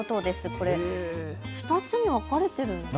これ、２つに分かれているんですかね。